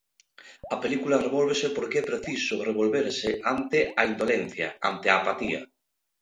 A película revólvese porque é preciso revolverse ante a indolencia, ante a apatía.